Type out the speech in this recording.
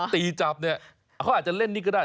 ตีจับเนี่ยเขาอาจจะเล่นนี่ก็ได้